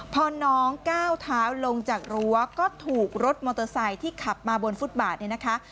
พอน้องก้าวเท้าลงจากรั้วก็ถูกรถมอเตอร์ไซค์ที่ขับมาบนฟุตบาทเนี่ยนะคะ